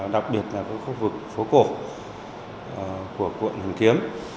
đặc biệt là khu vực phố cổ của quận hoàn kiếm